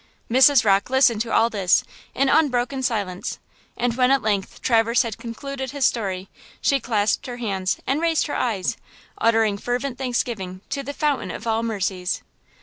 Mrs. Rocke listened to all this, in unbroken silence, and when, at length, Traverse had concluded his story, she clasped her hands and raised her eyes, uttering fervent thanksgiving to the fountain of all mercies.